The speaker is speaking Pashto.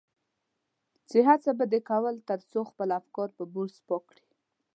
چې هڅه به دې کول تر څو خپل افکار په برس پاک کړي.